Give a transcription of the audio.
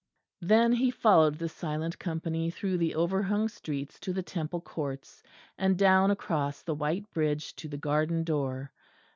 Then he followed the silent company through the overhung streets to the Temple Courts, and down across the white bridge to the garden door.